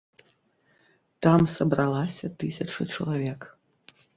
Там сабралася тысяча чалавек.